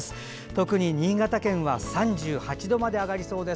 特に新潟県では３８度まで上がりそうです。